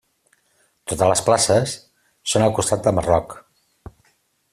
Totes les places són al costat de Marroc.